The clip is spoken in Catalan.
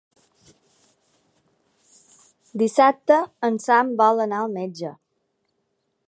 Dissabte en Sam vol anar al metge.